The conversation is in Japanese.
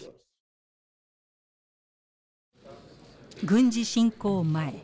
軍事侵攻前